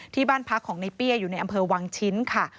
ที่บ้านพักของในเปี้ยอยู่ในอำเภอวังชิ้นค่ะ